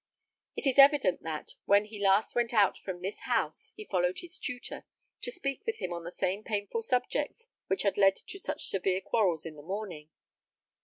It is evident that, when he last went out from this house, he followed his tutor, to speak with him on the same painful subjects which had led to such severe quarrels in the morning.